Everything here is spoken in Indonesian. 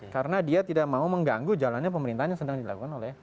karena dia tidak mau mengganggu jalannya pemerintah yang sedang dilakukan oleh